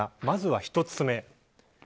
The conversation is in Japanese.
まずは１つ目。